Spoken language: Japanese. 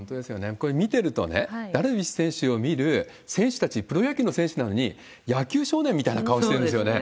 これ、見てるとね、ダルビッシュ選手を見る選手たち、プロ野球の選手なのに、野球少年みたいな顔してるんですよね。